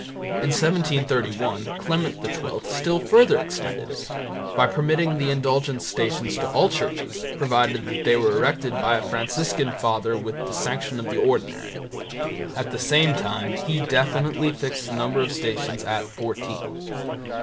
In 1731 Clement XII still further extended it by permitting the indulgenced Stations to all churches, provided that they were erected by a Franciscan father with the sanction of the ordinary. At the same time he definitely fixed the number of Stations at fourteen.